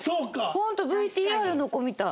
ホントＶＴＲの子みたい。